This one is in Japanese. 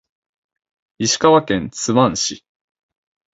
石川県津幡町